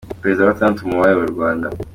Ni Perezida wa Gatandatu mu bayoboye u Rwanda.